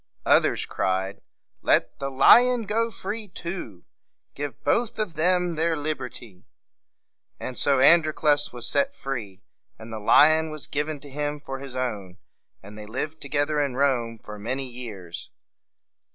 Others cried, "Let the lion go free too! Give both of them their liberty!" And so Androclus was set free, and the lion was given to him for his own. And they lived together in Rome for many years.